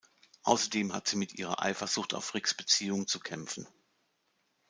Außerdem hat sie mit ihrer Eifersucht auf Ricks Beziehung zu kämpfen.